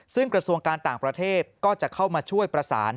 ซึ่งกระทรวงการต่างประเทศก็จะเข้ามาช่วยประสาน